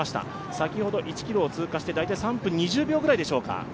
先ほど、１ｋｍを通過して、３分２０秒くらいでしょうか。